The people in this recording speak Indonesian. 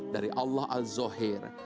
dari allah al zahir